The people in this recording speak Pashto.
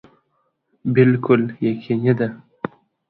ښاروالو ته وویل شول خپل ژوند خوندي کړي.